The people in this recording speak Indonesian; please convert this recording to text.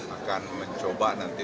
akan mencoba nanti